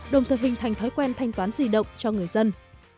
đồng thời hình thành thói quen thanh toán di động cho người dân